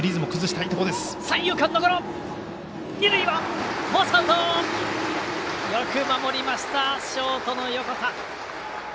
よく守りましたショートの横田。